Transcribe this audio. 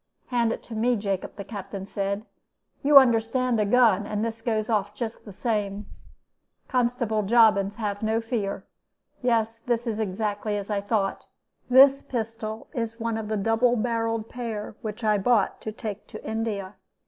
"'Hand it to me, Jacob,' the Captain said. 'You understand a gun, and this goes off just the same.' Constable Jobbins have no fear. 'Yes, it is exactly as I thought. This pistol is one of the double barreled pair which I bought to take to India.